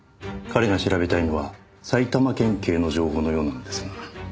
彼が調べたいのは埼玉県警の情報のようなんですが。